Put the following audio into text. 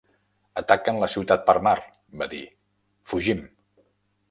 Ataquen la ciutat per mar! —va dir— Fugim!